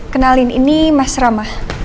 kenalin ini mas rama